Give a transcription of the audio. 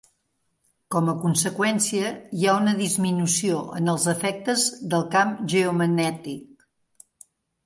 Com a conseqüència hi ha una disminució en els efectes del camp geomagnètic.